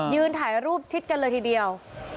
ถ่ายรูปชิดกันเลยทีเดียว